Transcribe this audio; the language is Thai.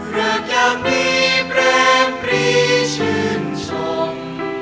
เลิกอย่างนี้แปลกปรีชื่นชม